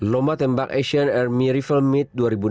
lomba tembak asian army rival meet dua ribu enam belas